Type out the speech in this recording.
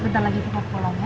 kita mau ke tempat kolam ya